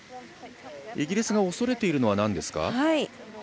イギリスが恐れているのはなんですか。